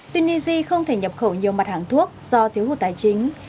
tunisia không thể nhập khẩu nhiều mặt hàng thuốc do thiếu hụt tài chính